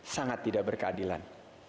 sangat tidak berkeadilan